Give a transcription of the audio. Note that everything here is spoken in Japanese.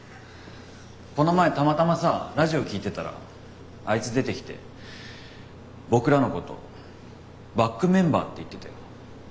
この前たまたまさラジオ聞いてたらあいつ出てきて僕らのこと「バックメンバー」って言ってたよ。